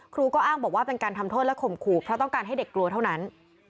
ครูก็อ้างบอกว่าเป็นการทำโทษและข่มขู่เพราะต้องการให้เด็กกลัวเท่านั้น